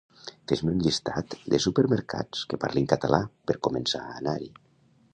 Fes-me un llistat de supermercats que parlin català per començar a anar-hi